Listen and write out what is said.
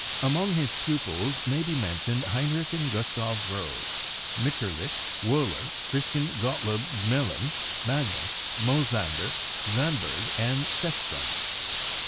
Among his pupils may be mentioned Heinrich and Gustav Rose, Mitscherlich, Wohler, Christian Gottlob Gmelin, Magnus, Mosander, Svanberg and Sefstrom.